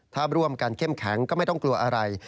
ถ้าร่วมกันเข้มแข็งก็ไม่ต้องกลัวอะไร